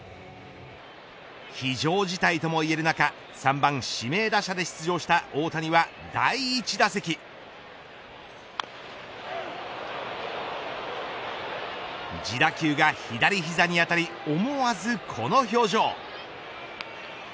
非常事態ともいえる中３番指名打者で出場した大谷は第１打席自打球が左膝にあたり思わずこの表情。